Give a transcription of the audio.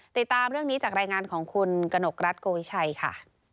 ติดตามเรื่องนี้จากรายงานของคุณกนกรัฐโกวิชัยค่ะ